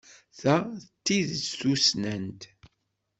Ta d tidet tussnant.